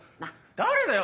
誰だよ？